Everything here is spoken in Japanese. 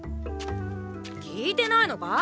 聞いてないのか？